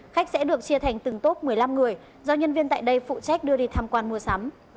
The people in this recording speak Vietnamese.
khách sẽ được chia thành từng tốp một mươi năm người do nhân viên tại đây phụ trách đưa đi tham quan mua sắm